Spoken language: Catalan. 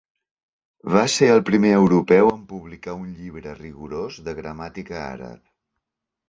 Va ser el primer europeu en publicar un llibre rigorós de gramàtica àrab.